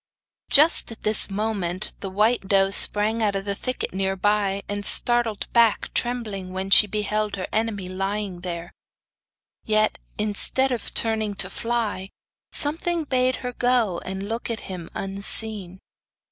Just at this moment the white doe sprang out of a thicket near by, and started back trembling when she beheld her enemy lying there. Yet, instead of turning to fly, something bade her go and look at him unseen.